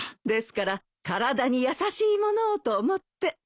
ですから体に優しいものをと思って。